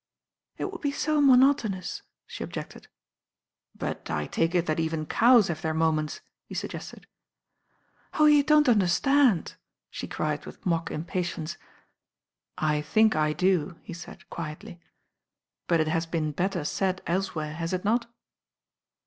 "It would be so monotonous," she objected. "But I tal^e it that even cows have their mo ments," he suggested. "Oh, you don't understand,'* she cried with mock impatience. "I think I do," he said quietly. "But it has been better said elsewhere, has it not?"